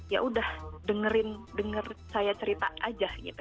yaudah dengerin denger saya cerita aja gitu